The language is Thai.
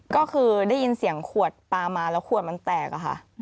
ก็คือได้ยินเสียงขวดปลามาแล้วขวดมันแตกอะค่ะ